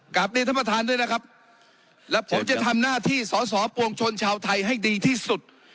กลับเรียนท่านประธานด้วยนะครับและผมจะทำหน้าที่สอสอปวงชนชาวไทยให้ดีที่สุด